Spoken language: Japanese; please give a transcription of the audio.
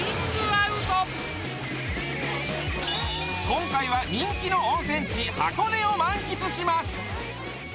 今回は人気の温泉地箱根を満喫します